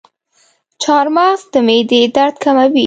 چارمغز د معدې درد کموي.